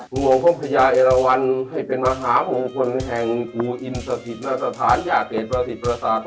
หัวองความพญาเอระวันให้เป็นมหาวงคลแห่งคู่อินสะธิดมาตรภาณอย่าเกดประสิทธิประสาท